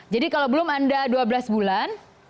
jadi kalau belum anda dua belas bulan